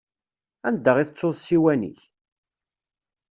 Anda i tettuḍ ssiwan-ik?